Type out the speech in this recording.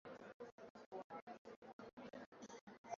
Karume akabakia Rais wa Zanzibar na Makamu wa Kwanza wa Rais wa Tanzania